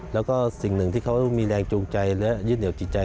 แล้วก็สิ่งหนึ่งที่เขามีแรงจูงใจและยึดเหนียวจิตใจ